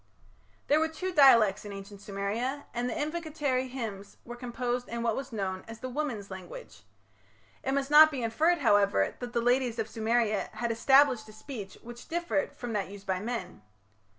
There were two dialects in ancient Sumeria, and the invocatory hymns were composed in what was known as "the women's language". It must not be inferred, however, that the ladies of Sumeria had established a speech which differed from that used by men.